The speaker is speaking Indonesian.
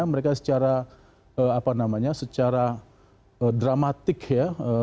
mereka secara apa namanya secara dramatik ya